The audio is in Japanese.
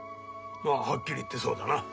ああはっきり言ってそうだな。